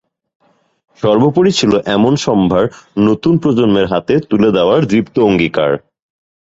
সর্বোপরি ছিল এসব সম্ভার নতুন প্রজন্মের হাতে তুলে দেয়ার দৃপ্ত অঙ্গীকার।